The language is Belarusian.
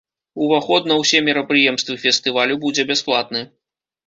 Уваход на ўсе мерапрыемствы фестывалю будзе бясплатны.